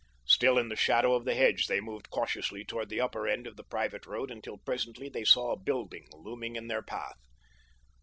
Still in the shadow of the hedge they moved cautiously toward the upper end of the private road until presently they saw a building looming in their path.